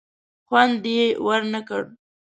خوند یې ور نه کړ.